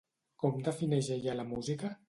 Com defineix ella la música?